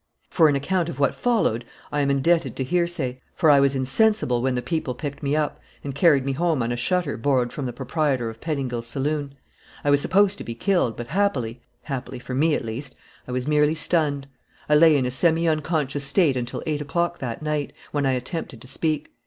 For an account of what followed I am indebted to hearsay, for I was insensible when the people picked me up and carried me home on a shutter borrowed from the proprietor of Pettingil's saloon. I was supposed to be killed, but happily (happily for me at least) I was merely stunned. I lay in a semi unconscious state until eight o'clock that night, when I attempted to speak.